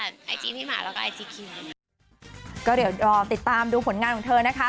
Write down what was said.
ไอจีพี่หมาแล้วก็ไอจีคิมก็เดี๋ยวรอติดตามดูผลงานของเธอนะคะ